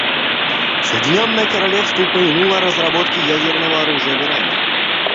Соединенное Королевство упомянуло о разработке ядерного оружия в Иране.